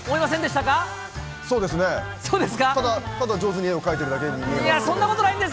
ただ、上手に絵を描いているだけに見えます。